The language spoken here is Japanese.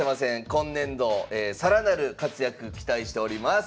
今年度更なる活躍期待しております。